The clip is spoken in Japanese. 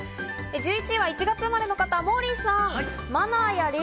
１１位は１月生まれの方、モーリーさん。